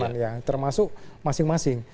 pembetatan keamanan ya termasuk masing masing